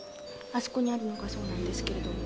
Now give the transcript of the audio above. あそこにあるのがそうなんですけれども。